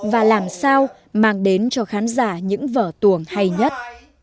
và làm sao mang đến cho khán giả những vở tuồng hay nhất